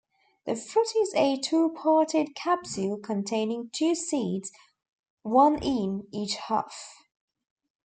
The fruit is a two-parted capsule containing two seeds, one in each half.